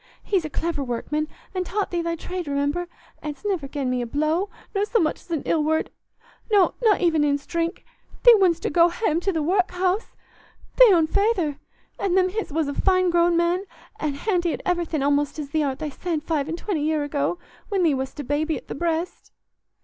He's a clever workman, an' taught thee thy trade, remember, an's niver gen me a blow nor so much as an ill word—no, not even in 's drink. Thee wouldstna ha' 'm go to the workhus—thy own feyther—an' him as was a fine growed man an' handy at everythin' amost as thee art thysen, five an' twenty 'ear ago, when thee wast a baby at the breast."